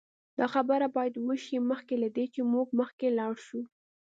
دا خبره باید وشي مخکې له دې چې موږ مخکې لاړ شو